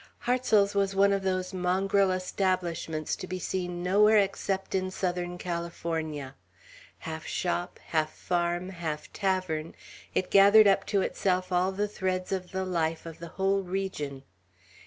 Hartsel's was one of those mongrel establishments to be seen nowhere except in Southern California. Half shop, half farm, half tavern, it gathered up to itself all the threads of the life of the whole region.